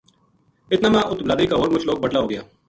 اتنا ما اُت بلادری کا ہور مُچ لوک بَٹلا ہو گیا